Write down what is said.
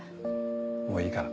もういいから。